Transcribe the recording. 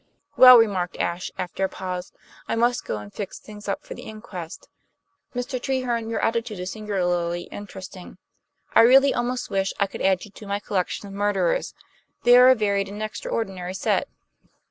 "Well," remarked Ashe, after a pause, "I must go and fix things up for the inquest. Mr. Treherne, your attitude is singularly interesting; I really almost wish I could add you to my collection of murderers. They are a varied and extraordinary set."